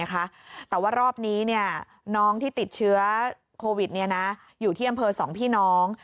แต่ว่ารอบนี้น้องที่ติดเชื้อโควิดอยู่ที่อำเภอ๒พี่น้อง